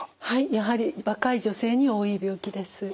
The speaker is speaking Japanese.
やはり若い女性に多い病気です。